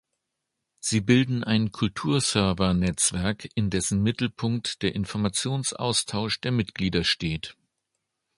Sie bilden ein Kulturserver-Netzwerk, in dessen Mittelpunkt der Informationsaustausch der Mitglieder steht.